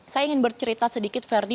saya ingin bercerita sedikit ferdi